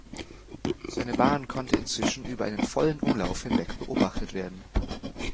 Seine Bahn konnte inzwischen über einen vollen Umlauf hinweg beobachtet werden.